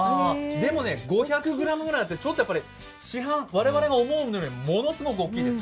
でも、５００ｇぐらいあって、我々が思うのより、ものすごく大きいです。